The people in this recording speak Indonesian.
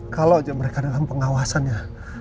kalau aja mereka dalam pengawasannya